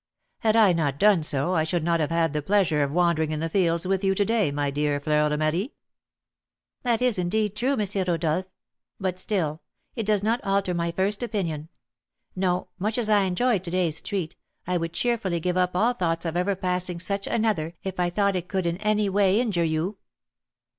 "Had I not done so, I should not have had the pleasure of wandering in the fields with you to day, my dear Fleur de Marie." "That is, indeed, true, M. Rodolph; but, still, it does not alter my first opinion. No, much as I enjoy to day's treat, I would cheerfully give up all thoughts of ever passing such another if I thought it could in any way injure you."